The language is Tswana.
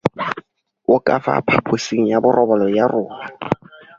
O ka fa phaposing ya borobalo ya rona.